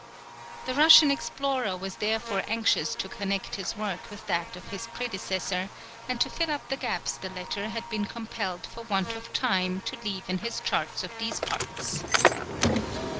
The Russian explorer was therefore anxious to connect his work with that of his predecessor, and to fill up the gaps the latter had been compelled for want of time to leave in his charts of these parts.